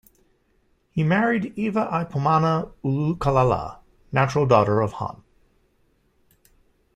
He married Eva-i-pomana Ulukalala, natural daughter of Hon.